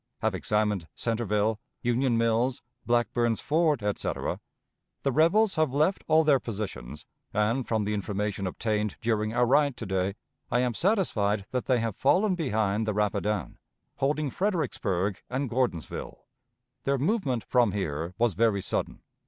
Have examined Centreville, Union Mills, Blackburn's Ford, etc. The rebels have left all their positions, and, from the information obtained during our ride to day, I am satisfied that they have fallen behind the Rapidan, holding Fredericksburg and Gordonsville. Their movement from here was very sudden.